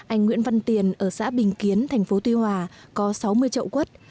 anh nguyễn văn tiền ở xã bình kiến tp tuy hoa có sáu mươi trậu quất